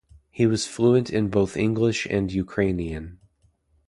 He was fluent in both English and Ukrainian.